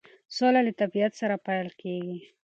سوله له طبیعت سره پیل کیږي.